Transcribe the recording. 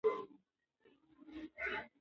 که خوله کول طبیعي نه وای، موږ به ناروغ وای.